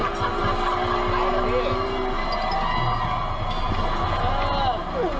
เออ